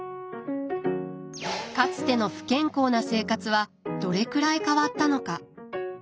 かつての不健康な生活はどれくらい変わったのか。